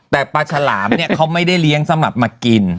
แต่ปลาฉลามเนี่ยเขาไม่ได้เลี้ยงสำหรับมากิน